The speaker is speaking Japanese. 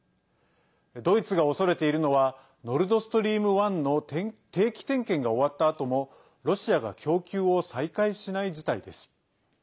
ドイツが恐れているのはノルドストリーム１の定期点検が終わったあともロシアが供給を再開しない事態です。